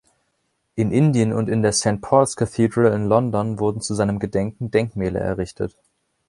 In Indien und in der Saint Paul‘s Cathedral in London wurden zu seinem Gedenken Denkmäler errichtet.